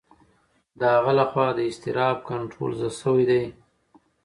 د هغه لخوا د اضطراب کنټرول زده شوی دی.